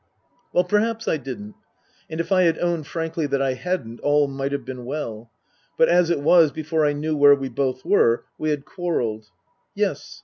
Well, perhaps I hadn't. And if I had owned frankly that I hadn't all might have been well. But, as it was, before I knew where we both were, we had quarrelled. Yes.